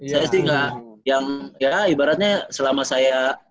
saya sih nggak yang ya ibaratnya selama saya